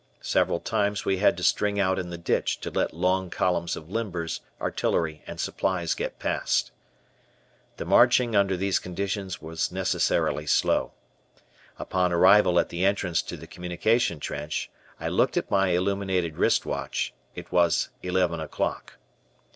Several times we had to string out in the ditch to let long columns of limbers, artillery, and supplies get past. The marching, under these conditions, was necessarily slow. Upon arrival at the entrance to the communication trench, I looked at my illuminated wrist watch it was eleven o'clock.